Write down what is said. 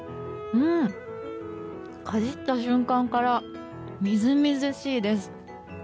かじった瞬間からみずみずしいです！